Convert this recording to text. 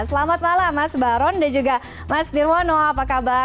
selamat malam mas baron dan juga mas dirwono apa kabar